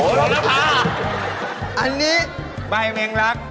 โอ้โฮรับค่ะอันนี้ใบแมงรัก